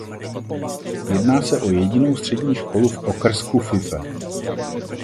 Jedná se o jedinou střední školu v okrsku Fife.